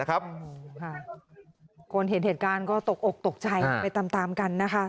คนเห็นเหตุการณ์ก็ตกอกตกใจไปตามกันนะคะ